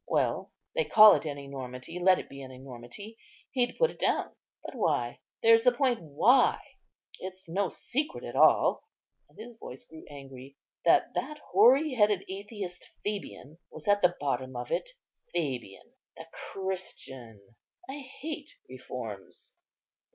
Well, they call it an enormity; let it be an enormity. He'd put it down; but why? there's the point; why? It's no secret at all," and his voice grew angry, "that that hoary headed Atheist Fabian was at the bottom of it; Fabian, the Christian. I hate reforms."